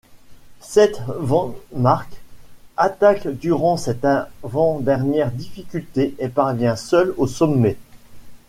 Sep Vanmarcke attaque durant cette avant-dernière difficulté et parvient seul au sommet.